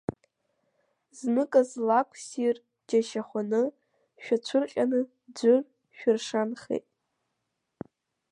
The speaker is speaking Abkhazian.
Зныказ, лакә-ссир џьашьахәны шәацәырҟьаны ӡәыр шәыршанхеит.